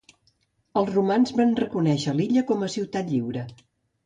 Els romans van reconèixer l'illa com a ciutat lliure.